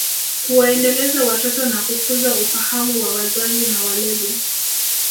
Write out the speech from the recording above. Kuwaendeleza watoto na kukuza ufahamu wa wazazi na walezi